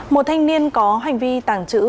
một thanh niên có hành vi tàng trữ